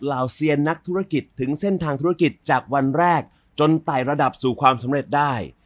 เห่าเซียนนักธุรกิจถึงเส้นทางธุรกิจจากวันแรกจนไต่ระดับสู่ความสำเร็จได้